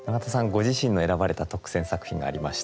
ご自身の選ばれた特選作品がありました。